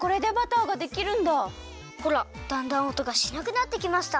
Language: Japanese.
ほらだんだんおとがしなくなってきました。